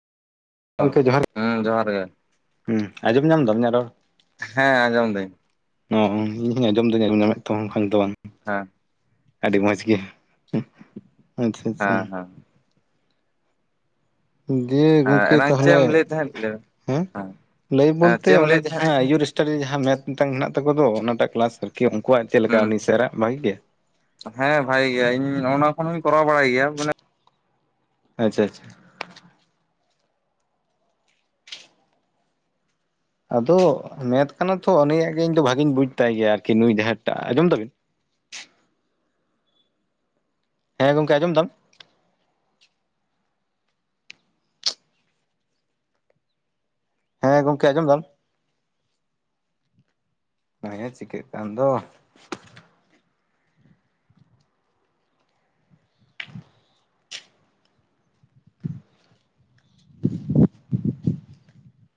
ᱜᱚᱝᱠᱮ ᱡᱚᱦᱟᱨ, ᱦᱮᱸ ᱡᱚᱦᱟᱨ ᱜᱮ ᱦᱩᱸ ᱟᱸᱡᱚᱢ ᱧᱟᱢ ᱫᱟᱢ ᱤᱧᱟᱜ ᱨᱚᱲ? ᱦᱮᱸ ᱟᱸᱡᱚᱢ ᱫᱟᱹᱧ᱾ ᱦᱚᱸ ᱤᱧ ᱦᱟᱧ ᱟᱡᱚᱢ ᱫᱚᱧ ᱟᱸᱡᱚᱢ ᱧᱟᱢᱮᱫ ᱛᱟᱢᱟ ᱵᱟᱝ ᱫᱚ ᱵᱟᱝ ᱦᱮᱸ ᱟᱹᱰᱤ ᱢᱚᱡᱽ ᱜᱮ ᱦᱩᱸ ᱟᱪᱪᱷᱟ ᱟᱪᱪᱷᱟ᱾ ᱦᱮᱸ ᱜᱮ ᱦᱮᱸ ᱜᱚᱝᱠᱮ ᱮᱱᱟᱝ ᱪᱮᱫ ᱛᱟᱦᱟᱞᱮ, ᱮᱢ ᱞᱟᱹᱭᱮᱫ ᱛᱟᱦᱮᱸᱫ ᱞᱟᱹᱭ ᱦᱮᱸ? ᱢᱮ ᱞᱟᱹᱭ ᱦᱮᱸ ᱵᱳᱞᱛᱮ ᱪᱮᱫ ᱮᱢ ᱚᱱᱮ ᱞᱟᱹᱭᱮᱫ ᱛᱟᱦᱮᱸᱫ ᱡᱟᱦᱟᱸ ᱤᱭᱩᱨᱤᱥ ᱴᱟᱰᱤ ᱡᱟᱦᱟᱸ ᱢᱮᱛᱷ ᱢᱮᱫᱴᱟᱝ ᱢᱮᱱᱟᱜ ᱛᱟᱠᱚ ᱫᱚ ᱚᱱᱟᱴᱟᱜ ᱠᱮᱞᱟᱥ ᱟᱨᱠᱤ ᱩᱝᱠᱩᱣᱟᱜ ᱪᱮᱫ ᱞᱮᱠᱟ ᱦᱩᱸ ᱩᱱᱤ ᱥᱮᱨᱟᱜ ᱵᱷᱟᱜᱤ ᱜᱮ? ᱦᱮᱸ ᱵᱷᱟᱜᱤ ᱜᱮᱭᱟ ᱤᱧ ᱚᱱᱟ ᱠᱷᱚᱱ ᱦᱩᱧ ᱠᱚᱨᱟᱣ ᱵᱟᱲᱟᱭ ᱜᱮᱭᱟ ᱢᱟᱱᱮ ᱟᱪᱪᱷᱟ ᱟᱪᱪᱷᱟ᱾ ᱟᱫᱚ ᱢᱮᱛᱷ ᱠᱟᱱᱟ ᱛᱚ ᱩᱱᱤᱭᱟᱜ ᱜᱮ ᱤᱧ ᱫᱚ ᱵᱷᱟᱜᱤᱧ ᱵᱩᱡ ᱛᱟᱭ ᱜᱮᱭᱟ ᱟᱨᱠᱤ ᱱᱩᱭ ᱡᱟᱦᱟᱸᱭ ᱮᱠᱴᱟ, ᱟᱸᱡᱚᱢ ᱫᱟᱵᱤᱱ? ᱦᱮᱸ ᱜᱚᱝᱠᱮ ᱟᱸᱡᱚᱢ ᱫᱟᱢ? ᱦᱮᱸ ᱜᱚᱝᱠᱮ ᱟᱸᱡᱚᱢᱫᱟᱢ? ᱢᱟᱭᱟ ᱪᱤᱠᱟᱹᱜ ᱠᱟᱱ ᱫᱚ [inaudible]